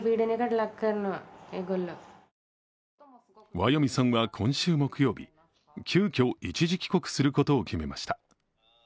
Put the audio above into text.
ワヨミさんは今週木曜日、急きょ一時帰国することを決めました。